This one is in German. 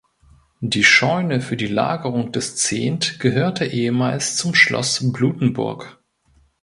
Die Scheune für die Lagerung des Zehnt gehörte ehemals zum Schloss Blutenburg.